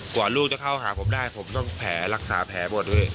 กว่าลูกจะเข้าหาผมได้ผมต้องแผลรักษาแผลหมด